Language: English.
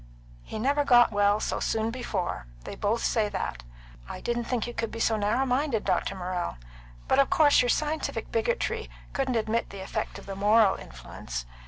"He never got well so soon before. They both say that. I didn't think you could be so narrow minded, Dr. Morrell. But of course your scientific bigotry couldn't admit the effect of the moral influence.